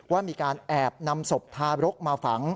ว่ามีการแอบนำศพทารกมาฝัง